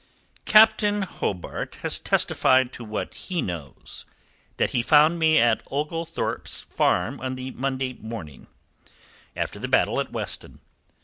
"Captain Hobart has testified to what he knows that he found me at Oglethorpe's Farm on the Monday morning after the battle at Weston.